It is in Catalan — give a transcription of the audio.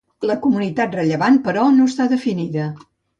La comunitat rellevant, però, no està definida.